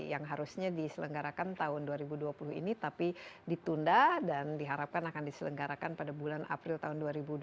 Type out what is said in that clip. yang harusnya diselenggarakan tahun dua ribu dua puluh ini tapi ditunda dan diharapkan akan diselenggarakan pada bulan april tahun dua ribu dua puluh